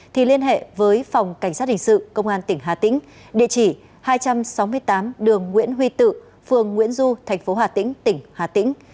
thì liên hệ với phòng cảnh sát hình sự công an tỉnh hà tĩnh địa chỉ hai trăm sáu mươi tám đường nguyễn huy tự phường nguyễn du thành phố hà tĩnh tỉnh hà tĩnh